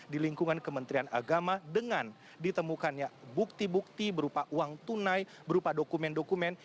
di lingkungan kementerian agama dengan ditemukannya bukti bukti berupa uang tunai berupa dokumen dokumen